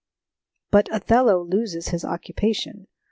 But Othello loses his occupation.